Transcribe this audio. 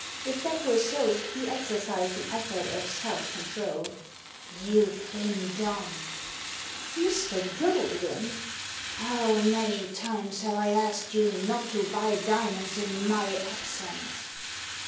If that were so, he exercised an effort of self control. " You've been done !" "Mr. Golden!" " How many times have I asked you not to buy diamonds in my absence